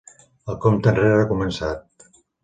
El compte enrere ha començat.